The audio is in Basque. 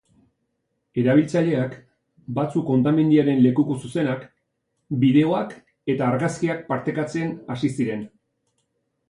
Erabiltzaileak, batzuk hondamendiaren lekuko zuzenak, bideoak eta argazkiak partekatzen hasi ziren.